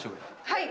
はい。